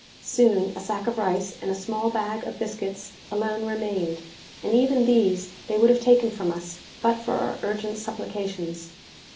Soon, a sack of rice, and a small bag of biscuits alone remained, and even these they would have taken from us, but for our urgent supplications.